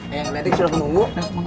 yang ledek sudah menunggu